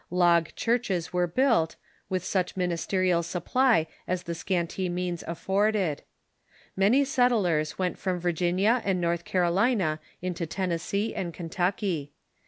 Log churches were built, with such ministerial supply as the scanty means af forded. Many settlers went from Virginia and North Caro lina into Tennessee and Kentucky.